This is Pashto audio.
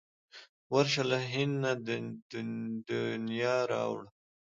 ورشه له هنده د نیا را وړه.